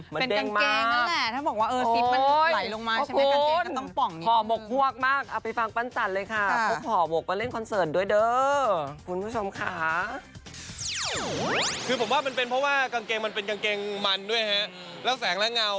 เป็นกางเกงมันแหละถ้าบอกว่าเออสลิปมันไหลลงมา